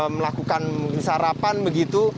melakukan sarapan begitu